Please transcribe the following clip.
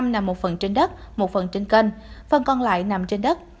bảy mươi nằm một phần trên đất một phần trên kênh phần còn lại nằm trên đất